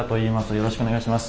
よろしくお願いします。